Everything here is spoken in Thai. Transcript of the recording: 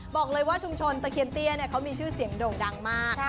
บอกว่าชุมชนตะเคียนเตี้ยเขามีชื่อเสียงโด่งดังมาก